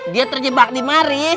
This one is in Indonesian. dia terjebak di mari